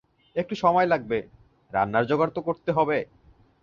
একটু সময় লাগবে, রান্নার জোগাড় করতে হবে।